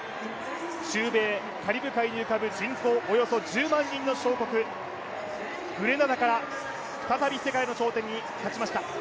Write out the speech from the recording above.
中米、カリブ海に浮かぶ人口１５万人の小国グレナダから再び世界の頂点に立ちました。